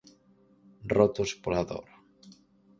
Rotos pola dor.